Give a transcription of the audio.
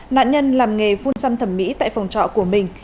nạn nhân làm nghề phun xăm thẩm mỹ tại phòng trọ của mình